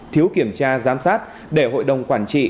thiếu kiểm tra giám sát để hội đồng quản trị